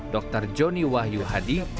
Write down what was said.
dr joni wahyu hadi